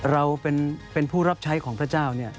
เราเป็นผู้รับใช้ของพระเจ้าเนี่ย